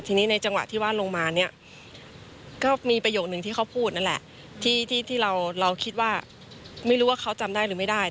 ทีนี้ในจังหวะที่ว่าลงมาเนี่ยก็มีประโยคนึงที่เขาพูดนั่นแหละที่เราคิดว่าไม่รู้ว่าเขาจำได้หรือไม่ได้